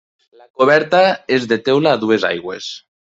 La coberta és de teula a dues aigües.